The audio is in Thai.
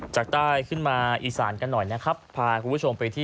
จากใต้ขึ้นมาอีสานกันหน่อยนะครับพาคุณผู้ชมไปที่